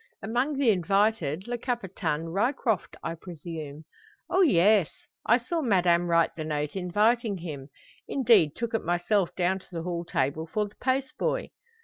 "Among the invited Le Capitaine Ryecroft, I presume?" "O yes. I saw madame write the note inviting him indeed took it myself down to the hall table for the post boy."